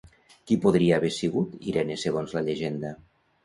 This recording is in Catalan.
Qui podria haver sigut Irene segons la llegenda?